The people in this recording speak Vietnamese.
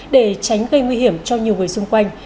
để tránh gây nguy hiểm cho nhiều người xung quanh